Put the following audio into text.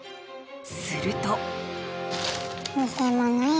すると。